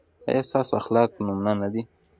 ایا ستاسو اخلاق نمونه نه دي؟